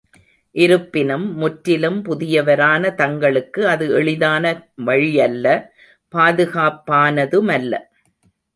இருப்பினும், முற்றிலும் புதியவரான தங்களுக்கு அது எளிதான வழியல்ல பாதுகாப்பானதுமல்ல.